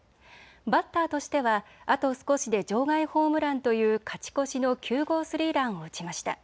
バッターとしてはあと少しで場外ホームランという勝ち越しの９号スリーランを打ちました。